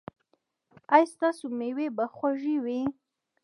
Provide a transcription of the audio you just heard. ایا ستاسو میوې به خوږې وي؟